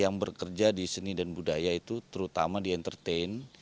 yang bekerja di seni dan budaya itu terutama di entertain